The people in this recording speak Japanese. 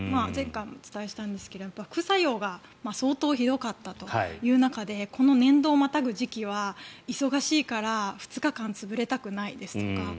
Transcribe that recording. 前回もお伝えしたんですが副作用が相当ひどかったという中でこの年度をまたぐ時期は忙しいから２日間潰れたくないですとか